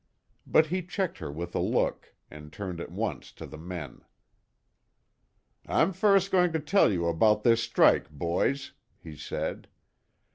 But he checked her with a look, and turned at once to the men. "I'm first going to tell you about this strike, boys," he said.